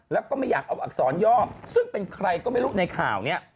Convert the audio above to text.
แล้วก็ไม่อยากเอาอักษรย่อซึ่งเป็นใครก็ไม่รู้ในข่าวเนี่ย